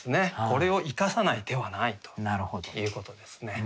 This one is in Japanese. これを生かさない手はないということですね。